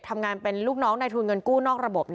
ทำงานเป็นลูกน้องในทุนเงินกู้นอกระบบ